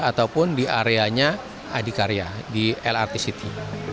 ataupun di areanya adikarya di lrt city